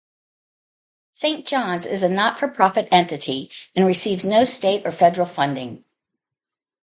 Saint John's is a not-for-profit entity and receives no state or federal funding.